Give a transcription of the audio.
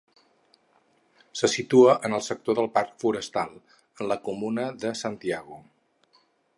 Se situa en el sector del Parc Forestal, en la comuna de Santiago.